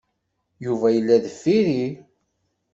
Yuba yella deffir-i.